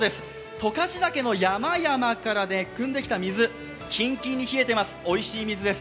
十勝岳の山々からくんできた水、キンキンに冷えてます、おいしい水です。